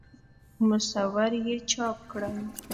مصور یې چاپ کړم.